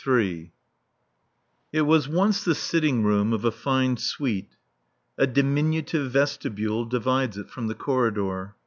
It was once the sitting room of a fine suite. A diminutive vestibule divides it from the corridor.